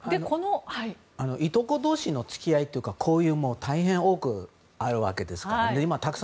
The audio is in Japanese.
いとこ同士の付き合いというか交流も大変多くあるわけです。